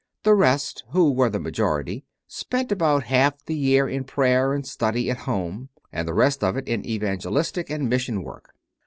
The rest, who were the majority, spent about half the year in prayer and study at home, and the rest of it in evangelistic and mission work.